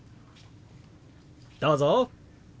どうぞ！